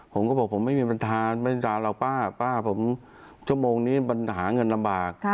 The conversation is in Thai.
ผมก็บอกผมไม่มีปัญหาเราป้าป้าผมชั่วโมงนี้หาเงินลำบาก